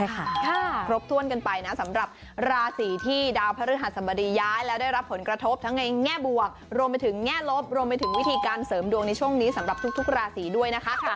ครบถ้วนกันไปนะสำหรับราศีที่ดาวพระฤหัสบดีย้ายแล้วได้รับผลกระทบทั้งในแง่บวกรวมไปถึงแง่ลบรวมไปถึงวิธีการเสริมดวงในช่วงนี้สำหรับทุกราศีด้วยนะคะ